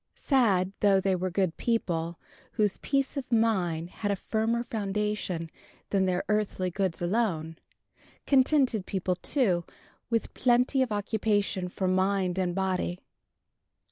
Sad, though they were good people, whose peace of mind had a firmer foundation than their earthly goods alone; contented people, too, with plenty of occupation for mind and body.